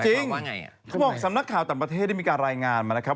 มันว่าของสำนักข่าวต่ำประเทศได้รายงานมานะครับ